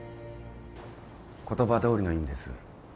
言葉どおりの意味です。